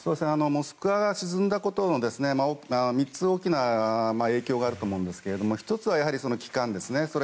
「モスクワ」が沈んだことには３つ大きな影響があると思うんですけど１つは、旗艦ですね。